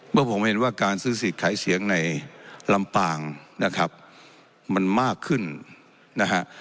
เมื่อผมเห็นว่าการซื้อสิทธิ์ขายเสียงในลำปางนะครับมันมากขึ้นนะฮะ